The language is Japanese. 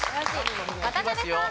渡辺さん。